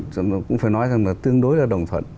chúng tôi cũng phải nói rằng là tương đối là đồng thuận